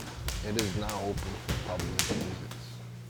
It is now open for public visits.